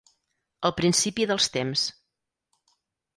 El principi dels temps.